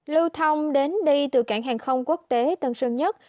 lưu thông đến đi từ cảng hàng không quốc tế tân sơn nhất